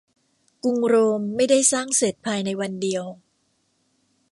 กรุงโรมไม่ได้สร้างเสร็จภายในวันเดียว